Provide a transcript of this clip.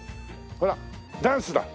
ほらダンスだ。